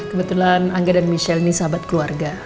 kebetulan angga dan michelle ini sahabat keluarga